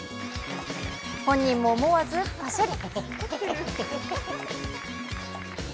本人も思わずパシャリ。